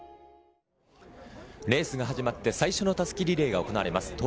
レースが始まって最初の襷リレーが行われます